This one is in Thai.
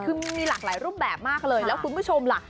คือมีหลากหลายรูปแบบมากเลยแล้วคุณผู้ชมล่ะ